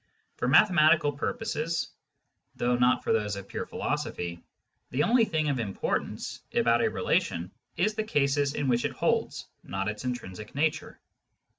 For mathematical purposes (though not for those of pure philosophy) the only thing of importance about a relation is the cases in which it holds, not its intrinsic nature.